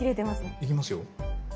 行きますよ。